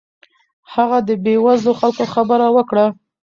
هغه د بې وزلو خلکو خبره وکړه.